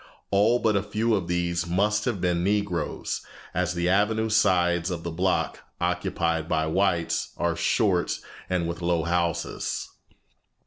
All but a few of these must have been Negroes, as the avenue sides of the block, occupied by whites, are short and with low houses.